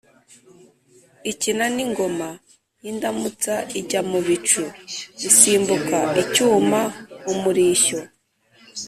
ikina n’ingoma y’indamutsa: ijya mu bicu(isimbuka) icyuma umurishyo